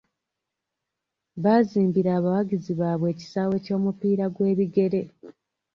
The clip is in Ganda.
Baazimbira abawagizi baabwe ekisaawe ky'omupiira gw'ebigere.